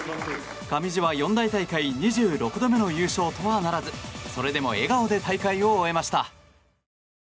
上地は四大大会２６度目の優勝とはならずそれでも笑顔で大会を終えました。